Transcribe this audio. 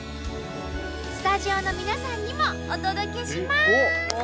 スタジオの皆さんにもお届けします！